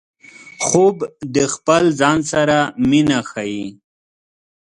خوب د خپل ځان سره مینه ښيي